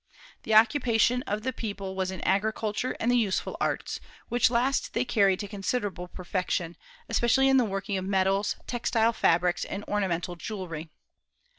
The occupation of the people was in agriculture and the useful arts, which last they carried to considerable perfection, especially in the working of metals, textile fabrics, and ornamental jewelry.